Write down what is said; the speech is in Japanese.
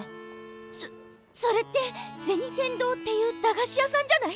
そそれって銭天堂っていう駄菓子屋さんじゃない？